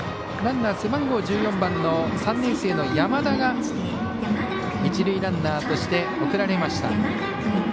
ランナー背番号１４番の３年生の山田が一塁ランナーとして送られました。